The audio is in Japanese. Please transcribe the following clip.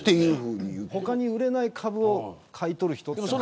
他に売れない株を買い取る人っていうのは。